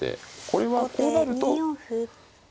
これはこうなると。